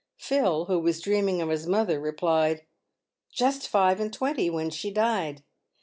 Phil, who was dream ing of his mother, replied, " Just five and twenty when she died."